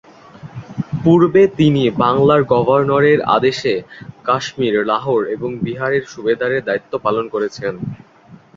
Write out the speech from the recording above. পূর্বে তিনি বাংলার গভর্নর এর আদেশে কাশ্মীর, লাহোর এবং বিহারে সুবেদার এর দায়িত্ব পালন করেছেন।